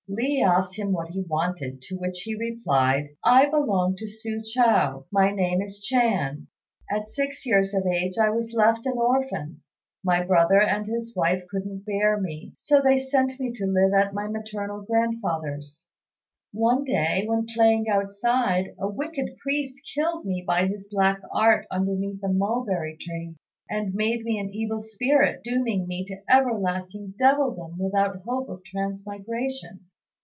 Li asked him what he wanted, to which he replied, "I belong to Su chou; my name is Chan; at six years of age I was left an orphan; my brother and his wife couldn't bear me, so they sent me to live at my maternal grandfather's. One day, when playing outside, a wicked priest killed me by his black art underneath a mulberry tree, and made of me an evil spirit, dooming me to everlasting devildom without hope of transmigration.